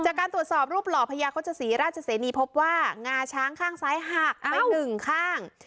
จากการตรวจสอบรูปหล่อพญาโฆษศรีราชเสนีพบว่างาช้างข้างซ้ายหักไปหนึ่งข้าง